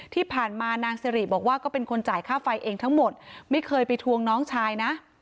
ที่ผ่านมานางสิริบอกว่าก็เป็นคนจ่ายค่าไฟเองทั้งหมดไม่เคยไปทวงน้องชายนะ